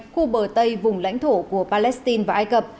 khu bờ tây vùng lãnh thổ của palestine và ai cập